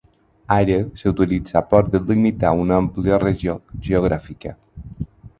Ara s'utilitza per a delimitar una àmplia regió geogràfica.